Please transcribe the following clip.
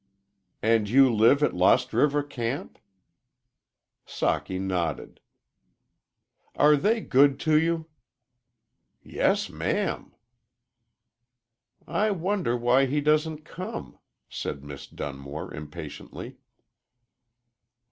"And you live at Lost River camp?" Socky nodded. "Are they good to you?" "Yes, ma'am." "I wonder why he doesn't come?" said Miss Dunmore, impatiently.